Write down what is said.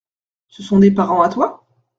Ce sont des parents à toi ?